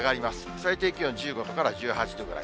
最低気温１５度から１８度くらい。